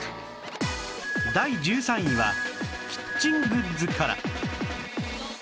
第１３位はキッチングッズから